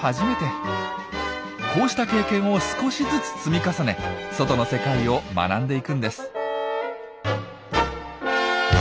こうした経験を少しずつ積み重ね外の世界を学んでいくんです。